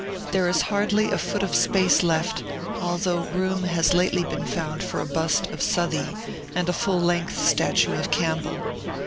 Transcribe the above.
There is hardly a foot of space left, although room has lately been found for a bust of Southey and a full length statue of Campbell.